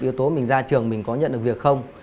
yếu tố mình ra trường mình có nhận được việc không